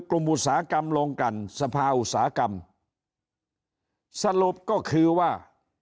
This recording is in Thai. กลุ่มอุตสาหกรรมโรงกรรมสภาอุตสาหกรรมสรุปก็คือว่า